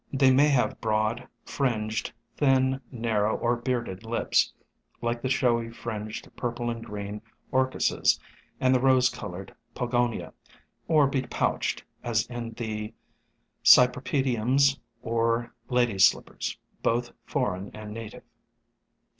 They may have broad, fringed, thin, narrow, or bearded lips like the showy fringed purple and green Orchises and the rose colored Pogonia, or be pouched, as in the Cypripediums or Ladies' Slippers, both foreign and native.